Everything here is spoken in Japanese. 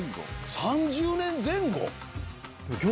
３０年前後？